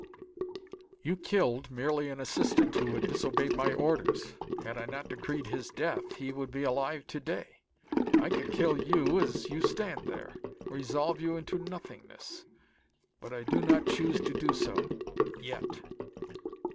"You killed merely an assistant who had disobeyed my orders. Had I not decreed his death, he would be alive to day. I could kill you as you stand there; resolve you into nothingness; but I do not choose to do so yet.